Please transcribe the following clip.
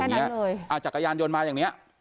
แค่นั้นเลยจักรยานยนต์มาอย่างนี้